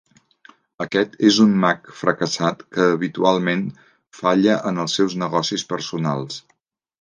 Aquest és un mag fracassat que habitualment falla en els seus negocis personals.